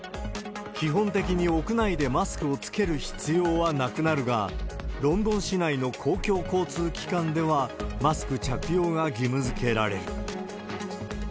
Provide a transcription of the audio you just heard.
基本的に屋内でマスクを着ける必要はなくなるが、ロンドン市内の公共交通機関ではマスク着用が義務づけられる。